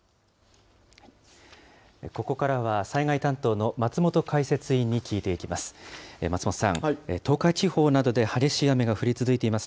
ここからは災害担当の松本解説委員に聞いていきます。